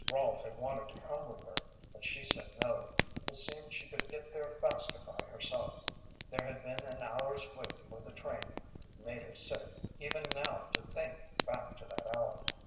Rolfe had wanted to come with her, but she said no. It seemed she could get there faster by herself. There had been an hour's wait for the train; it made her sick, even now, to think back to that hour.